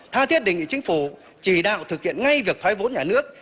tha thiết đề nghị chính phủ chỉ đạo thực hiện ngay việc thoái vốn nhà nước